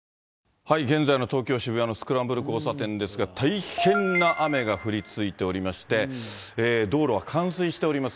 現在の東京・渋谷のスクランブル交差点ですが、大変な雨が降り続いておりまして、道路は冠水しております。